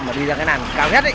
mà đi ra cái làn cao nhất